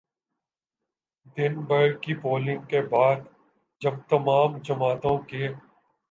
دن بھر کی پولنگ کے بعد جب تمام جماعتوں کے